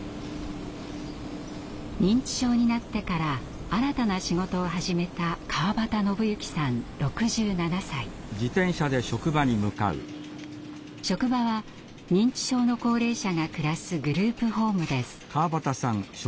認知症になってから新たな仕事を始めた職場は認知症の高齢者が暮らすグループホームです。